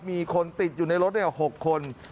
มีคนติดอยู่ในรถ๖คน